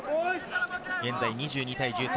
現在、２２対１３。